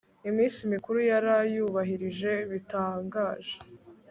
iminsi mikuru yarayubahirije bitangaje